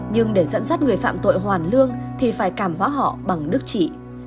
nhưng để dẫn dắt người phạm tội hoàn lương thì phải cảm hóa họ bằng đức trị